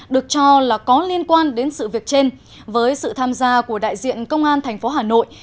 được cho là có liên quan đến sự việc trên với sự tham gia của đại diện công an tp hà nội